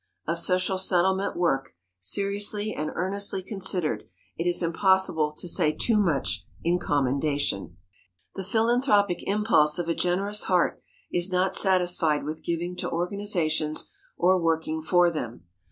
Of social settlement work, seriously and earnestly considered, it is impossible to say too much in commendation. [Sidenote: PRIVATE GIVING] The philanthropic impulse of a generous heart is not satisfied with giving to organizations or working for them.